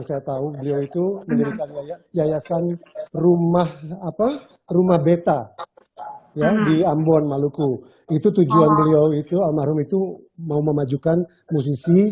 rumah rumah beta di ambon maluku itu tujuan beliau itu almarhum itu mau memajukan musisi